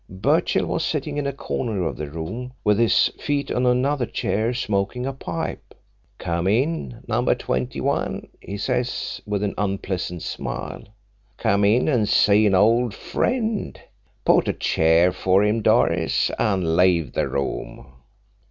Birchill was sitting in a corner of the room, with his feet on another chair, smoking a pipe. 'Come in, No. 21,' he says, with an unpleasant smile, 'come in and see an old friend. Put a chair for him, Doris, and leave the room.'